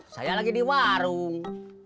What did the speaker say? saya lagi di warung